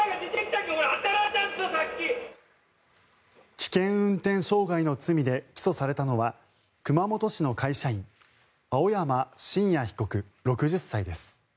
危険運転傷害の罪で起訴されたのは熊本市の会社員青山真也被告、６０歳です。